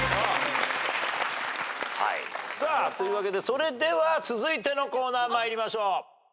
さあというわけでそれでは続いてのコーナー参りましょう。